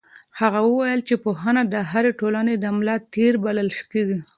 هغه وویل چې پوهنه د هرې ټولنې د ملا تیر بلل کېږي.